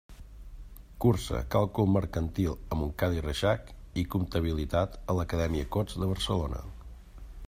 Cursa Càlcul Mercantil a Montcada i Reixac i Comptabilitat a l’Acadèmia Cots de Barcelona.